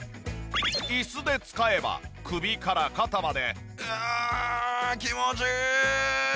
椅子で使えば首から肩までうん気持ちいい！